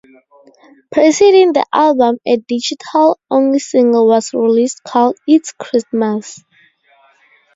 Preceding the album a digital-only single was released called "It's Christmas".